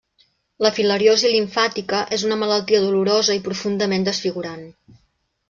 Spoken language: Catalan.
La filariosi limfàtica és una malaltia dolorosa i profundament desfigurant.